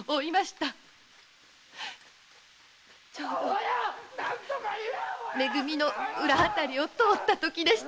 ちょうどめ組の裏辺りを通ったときでした。